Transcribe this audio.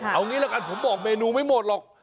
เอางี้ละกันผมบอกเมนูไม่หมดหรอก